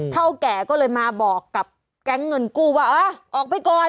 เท่าแก่ก็เลยมาบอกกับแก๊งเงินกู้ว่าออกไปก่อน